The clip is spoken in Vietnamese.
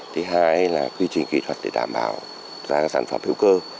thứ hai là quy trình kỹ thuật để đảm bảo sản phẩm hiệu cơ